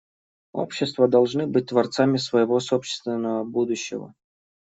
Общества должны быть творцами своего собственного будущего.